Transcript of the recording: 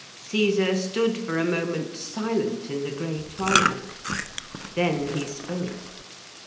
Caesar stood for a moment silent in the grey twilight. Then he spoke.